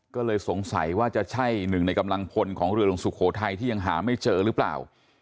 ก็เลยสงสัยว่าจะใช่หนึ่งในกำลังพลของเรือหลวงสุโขทัยที่ยังหาไม่เจอหรือเปล่า